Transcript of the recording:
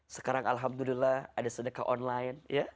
sekarang alhamdulillah ada sedekah online